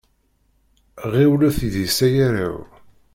Ɣiwlet deg-s ay arraw!